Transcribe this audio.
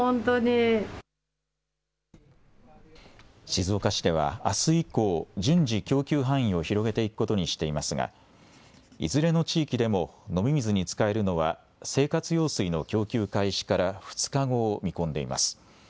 静岡市では、あす以降、順次、供給範囲を広げていくことにしていますが、いずれの地域でも飲み水に使えるのは、生活用水の供給開始から２日後を見込んでいます。